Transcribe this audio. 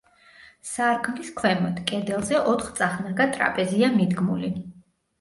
სარკმლის ქვემოთ, კედელზე ოთხწახნაგა ტრაპეზია მიდგმული.